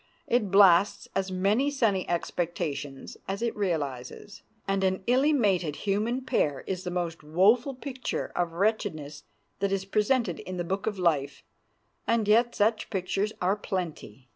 It blasts as many sunny expectations as it realizes, and an illy mated human pair is the most woeful picture of wretchedness that is presented in the book of life; and yet such pictures are plenty.